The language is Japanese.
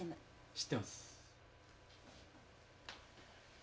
知ってます。